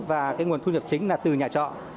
và cái nguồn thu nhập chính là từ nhà trọ